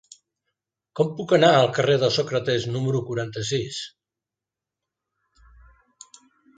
Com puc anar al carrer de Sòcrates número quaranta-sis?